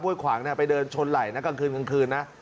ห้วยขวางไปเดินชนไหล่กลางคืนครรภ์นะ